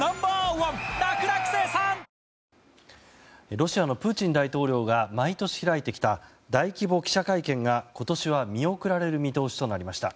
ロシアのプーチン大統領が毎年開いてきた大規模記者会見が、今年は見送られる見通しとなりました。